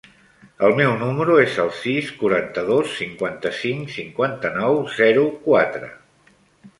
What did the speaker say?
El meu número es el sis, quaranta-dos, cinquanta-cinc, cinquanta-nou, zero, quatre.